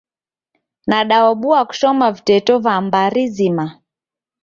Nadaobua kushoma viteto va mbari zima.